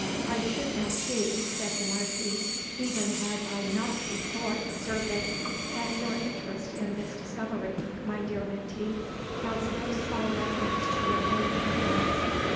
"I should now see," said the Marquis, "even had I not before observed it, that your interest in this discovery, my dear Menteith, has no small reference to your own happiness.